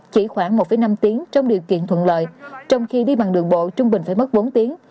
chỉ khoảng một năm tiếng trong điều kiện thuận lợi trong khi đi bằng đường bộ trung bình phải mất bốn tiếng